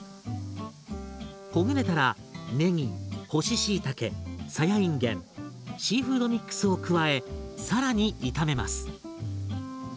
ほぐれたら麺干ししいたけさやいんげんシーフードミックスを加え更に炒めます。